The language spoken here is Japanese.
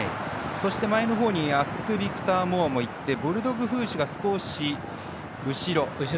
そして前のほうにアスクビクターモアもいってボルドグフーシュが少し後ろ。